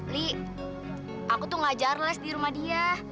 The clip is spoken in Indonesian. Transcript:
nik aku tuh ngajar les di rumah dia